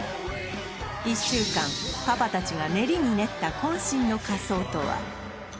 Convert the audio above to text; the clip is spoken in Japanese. １週間パパ達が練りに練ったこん身の仮装とは？